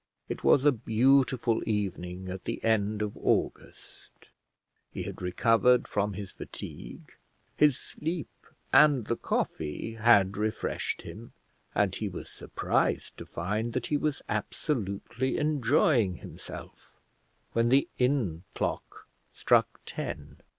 It was a beautiful evening at the end of August. He had recovered from his fatigue; his sleep and the coffee had refreshed him, and he was surprised to find that he was absolutely enjoying himself, when the inn clock struck ten.